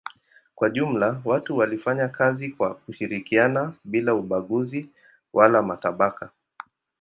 Kwa jumla watu walifanya kazi kwa kushirikiana bila ubaguzi wala matabaka.